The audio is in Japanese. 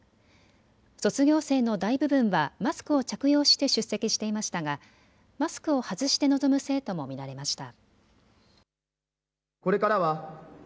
卒業生の大部分はマスクを着用して出席していましたがマスクを外して臨む生徒も見られました。